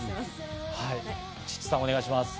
チッチさん、お願いします。